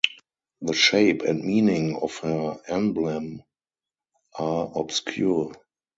The shape and meaning of her emblem are obscure.